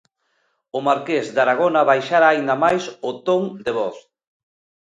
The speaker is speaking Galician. O marqués de Aragona baixara aínda máis o ton de voz.